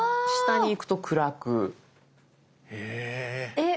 えっ！